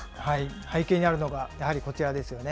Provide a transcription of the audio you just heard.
背景にあるのがやはりこちらですよね。